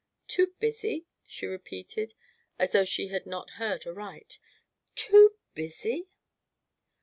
"Too busy?" she repeated, as though she had not heard aright; "too busy?"